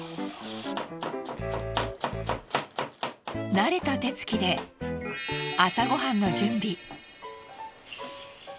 慣れた手つきで朝ご飯の準備。